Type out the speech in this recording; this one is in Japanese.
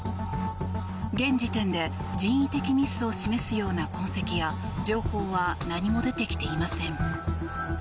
現時点で人為的ミスを示すような痕跡や情報は何も出てきていません。